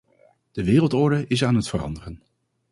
De wereldorde is aan het veranderen.